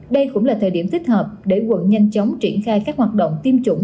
đây cũng là thời điểm thích hợp để quận nhanh chóng triển khai các hoạt động tiêm chủng